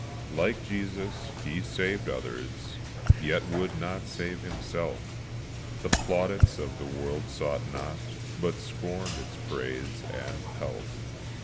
Like Jesus, he saved others, yet would not save himself; The plaudits of the world sought not, but scorned its praise and pelf.